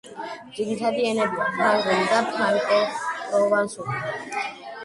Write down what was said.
ძირითადი ენებია ფრანგული და ფრანკო-პროვანსული.